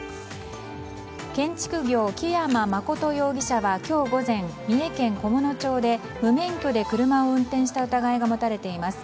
建築業、木山誠容疑者は今日午前三重県菰野町で無免許で車を運転した疑いが持たれています。